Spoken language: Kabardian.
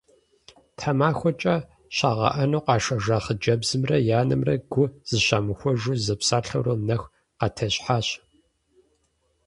Тхьэмахуэкӏэ щагъэӏэну къашэжа хъыджэбзымрэ и анэмрэ гу зыщамыхуэжу зэпсалъэурэ нэху къатещхьащ.